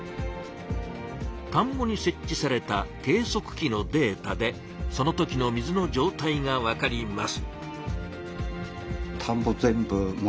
田んぼにせっ置された計そく器のデータでその時の水のじょうたいがわかります。